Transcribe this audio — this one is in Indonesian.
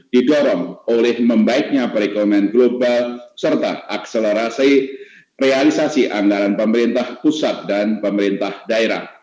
didorong oleh membaiknya perekonomian global serta akselerasi realisasi anggaran pemerintah pusat dan pemerintah daerah